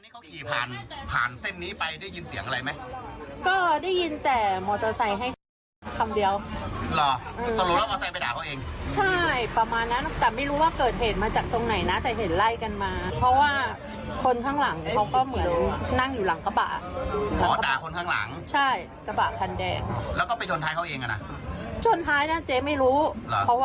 จนท้ายนะเจ๊ไม่รู้เพราะว่าเขาเลยไปแล้ว